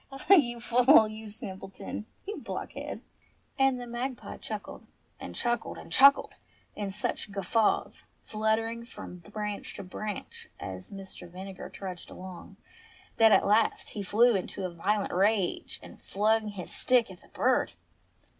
Ah, you fool ! you simpleton ! you blockhead !" And the magpie chuckled, and chuckled, and chuckled in such guffaws, fluttering from branch to branch as Mr. Vinegar trudged along, that at last he flew into a violent rage and flung his stick at the bird.